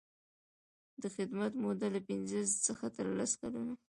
د خدمت موده له پنځه څخه تر لس کلونو.